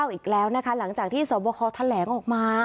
อีกแล้วนะคะหลังจากที่สวบคอแถลงออกมา